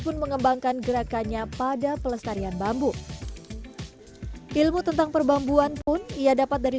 pun mengembangkan gerakannya pada pelestarian bambu ilmu tentang perbambuan pun ia dapat dari